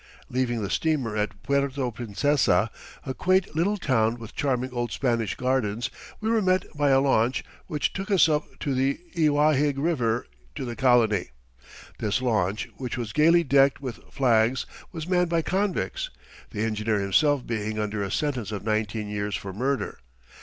Leaving the steamer at Puerto Princessa, a quaint little town with charming old Spanish gardens, we were met by a launch which took us up the Iwahig River to the colony. This launch, which was gaily decked with flags, was manned by convicts, the engineer himself being under a sentence of nineteen years for murder.